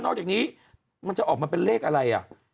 อกจากนี้มันจะออกมาเป็นเลขอะไรอ่ะ